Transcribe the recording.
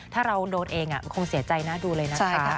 ถ้าเราโดนเองอ่ะคงเสียใจหน้าดูเลยนะคะใช่ค่ะ